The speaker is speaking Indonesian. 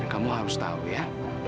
kamu harus tahu ya